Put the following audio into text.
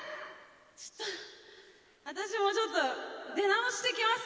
ちょっと、私もちょっと、出直してきます。